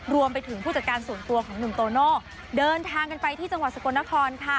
รวมไปถึงผู้จัดการส่วนตัวของหนุ่มโตโน่เดินทางกันไปที่จังหวัดสกลนครค่ะ